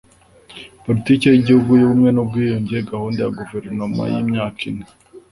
politiki y igihugu y ubumwe n ubwiyunge gahunda ya guverinoma y imyaka ine